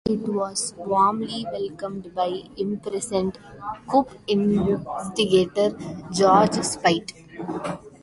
It was warmly welcomed by imprisoned coup instigator George Speight.